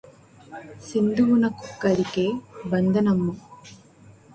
సింధువునకు గలిగె బంధనమ్ము